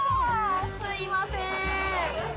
すいません。